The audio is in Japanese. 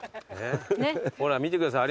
ほら見てください。